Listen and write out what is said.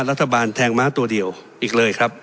รัฐบาลแทงม้าตัวเดียวอีกเลยครับ